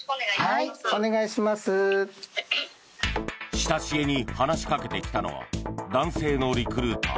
親しげに話しかけてきたのは男性のリクルーター。